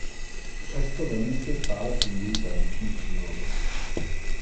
Přesto ve městě stále fungují tradiční přívozy.